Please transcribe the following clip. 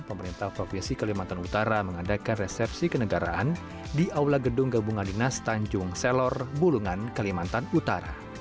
pemerintah provinsi kalimantan utara mengadakan resepsi kenegaraan di aula gedung gabungan dinas tanjung selor bulungan kalimantan utara